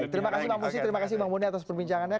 terima kasih bang boni atas perbincangannya